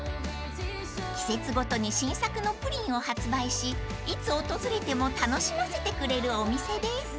［季節ごとに新作のプリンを発売しいつ訪れても楽しませてくれるお店です］